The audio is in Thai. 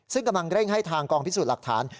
ซึ่งกำลังเร่งให้ทางกองพิสูจน์หลักฐาน